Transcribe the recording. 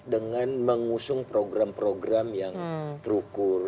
dengan mengusung program program yang terukur